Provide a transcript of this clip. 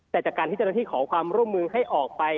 แต่จากการที่เจ้าหน้าที่ขอความร่วมมือให้ออกไป